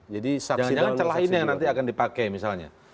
jangan jangan celah ini yang nanti akan dipakai misalnya